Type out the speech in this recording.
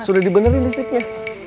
sudah dibenerin listriknya